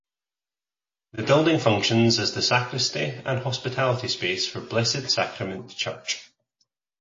The building functions as the sacristy and hospitality space for Blessed Sacrament Church.